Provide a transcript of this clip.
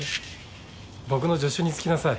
僕の助手につきなさい。